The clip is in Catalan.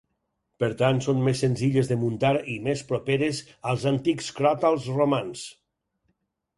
Per tant, són més senzilles de muntar i més properes als antics cròtals romans.